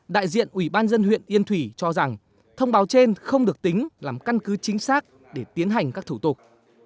đại diện ủy ban dân huyện yên thủy cho rằng thông báo trên không được tính làm căn cứ chính xác để tiến hành các thủ tục